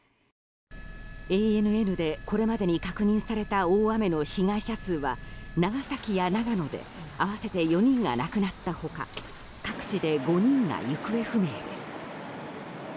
ＡＮＮでこれまでに確認された大雨の被害者数は長崎や長野で合わせて４人が亡くなったほか各地で５人が行方不明です。